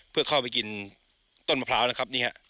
เพื่อเข้าไปกินต้นมะพร้าวนะครับนี่ฮะ